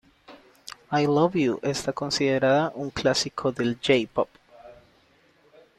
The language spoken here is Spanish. I love you", está considerada un clásico del J-pop.